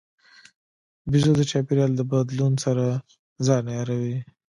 بیزو د چاپېریال د بدلون سره ځان عیاروي.